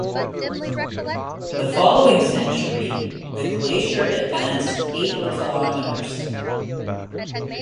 The following century, the glacier advanced eight kilometers.